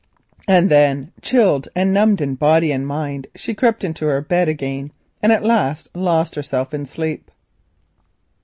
And then, chilled and numb in body and mind, she crept into her bed again and at last lost herself in sleep.